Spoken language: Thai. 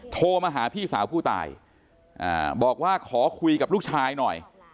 โทรมาหาพี่สาวผู้ตายบอกว่าขอคุยกับลูกชายหน่อย